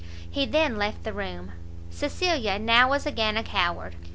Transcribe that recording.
He then left the room. Cecilia now was again a coward!